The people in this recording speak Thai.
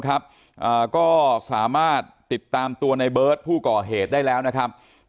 ก็สามารถติดตามตัวในเบิร์ตผู้ก่อเหตุได้แล้วนะครับ